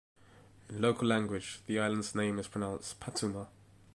In local language, the island's name is pronounced "Patuma".